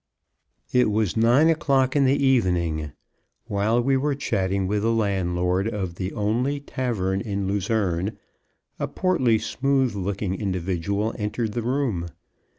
_ It was nine o'clock in the evening. While we were chatting with the landlord of the only tavern in Luzerne, a portly, smooth looking individual entered the room.